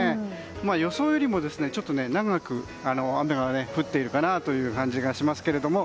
予想よりも、ちょっと長く雨が降っているかなという感じがしますけども。